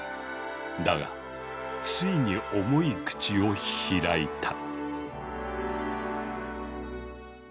だがついに重い口を開いた。